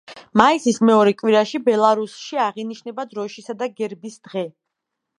მაისის მეორე კვირაში ბელარუსში აღინიშნება დროშისა და გერბის დღე.